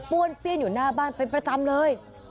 ้วนเปี้ยนอยู่หน้าบ้านเป็นประจำเลย